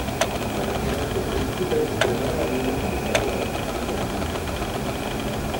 Las opciones de club cubren su primer año de candidato a la agencia libre.